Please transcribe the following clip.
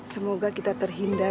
semoga kita terhindar